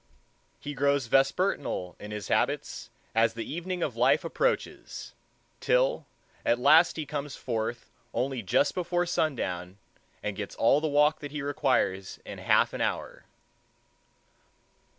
He grows vespertinal in his habits as the evening of life approaches, till at last he comes forth only just before sundown, and gets all the walk that he requires in half an hour.